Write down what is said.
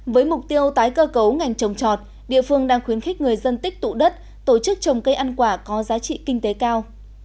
với mục tiêu tái cơ cấu ngành trồng trọt địa phương đang khuyến khích người dân tích tụ đất tổ chức trồng cây ăn quả có giá trị kinh tế cao